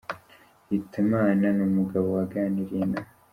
Hitimana ni umugabo waganiriye na .